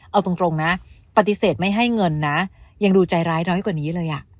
เอาตรงนะปฏิเสธไม่ให้เงินนะยังดูใจร้ายน้อยกว่านี้เลย